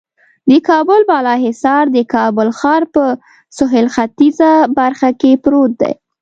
د کابل بالا حصار د کابل ښار په سهیل ختیځه برخه کې پروت دی.